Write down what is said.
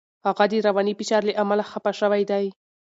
هغه د رواني فشار له امله خپه شوی دی.